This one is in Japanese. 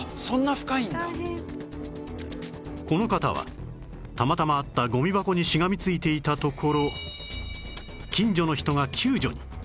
この方はたまたまあったゴミ箱にしがみついていたところ近所の人が救助に